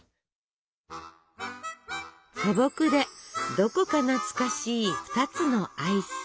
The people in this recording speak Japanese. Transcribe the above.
素朴でどこか懐かしい２つのアイス！